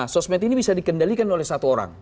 sosmed ini bisa dikendalikan oleh satu orang